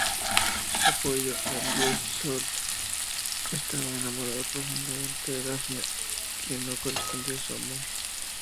Apollo, el dios sol, estaba enamorado profundamente de Dafne, quien no correspondía su amor.